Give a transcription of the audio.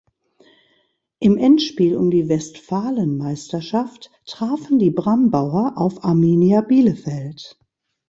Im Endspiel um die Westfalenmeisterschaft trafen die Brambauer auf Arminia Bielefeld.